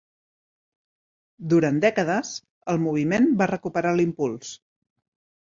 Durant dècades, el moviment va recuperar l'impuls.